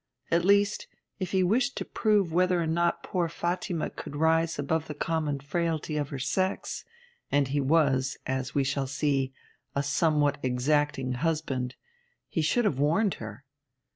At least, if he wished to prove whether or not poor Fatima could rise above the common frailty of her sex and he was, as we shall see, a somewhat exacting husband he should have warned her.